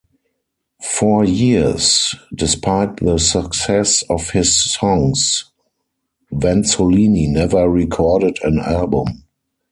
For years, despite the success of his songs, Vanzolini never recorded an album.